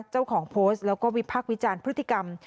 เจ้าของโพสต์แล้วก็วิพักษ์วิจารณ์พฤติกรรม